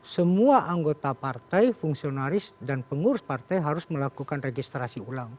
semua anggota partai fungsionaris dan pengurus partai harus melakukan registrasi ulang